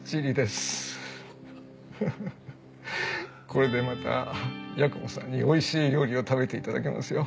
これでまた八雲さんにおいしい料理を食べていただけますよ。